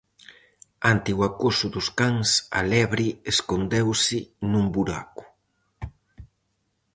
Ante o acoso dos cans a lebre escondeuse nun buraco.